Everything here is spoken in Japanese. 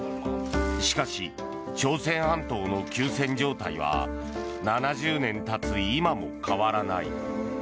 しかし、朝鮮半島の休戦状態は７０年経つ今も変わらない。